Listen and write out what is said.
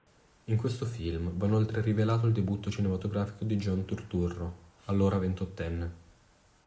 In questo film va inoltre rilevato il debutto cinematografico di John Turturro, allora ventottenne.